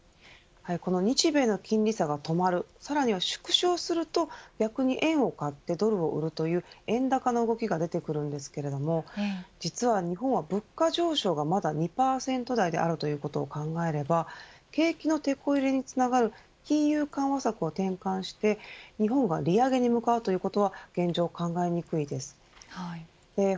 日米の金利差が止まるさらには縮小すると逆に円を買ってドルを売るという円高の動きが出てきますが実は日本は物価上昇がまだ２％台であるということを考えれば景気のてこ入れにつながる金融緩和策を転換して日本が利上げに向かうということは現状、考えにくいです。